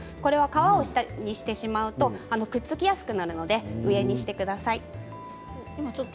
皮を下にするとくっつきやすくなるので上にしてください。